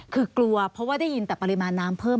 คือกลัวเพราะว่าได้ยินแต่ปริมาณน้ำเพิ่ม